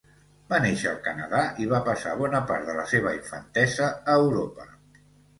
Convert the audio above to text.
Va néixer al Canadà i va passar bona part de la seva infantesa a Europa.